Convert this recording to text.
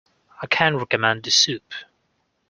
I can recommend the soup.